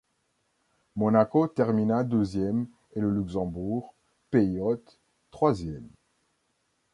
Monaco termina deuxième et le Luxembourg, pays hôte, troisième.